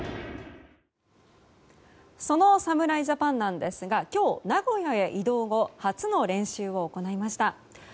その侍ジャパンですが今日名古屋へ移動後初の練習を行いました。